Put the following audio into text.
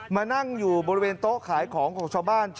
มานั่งอยู่บริเวณโต๊ะขายของของชาวบ้าน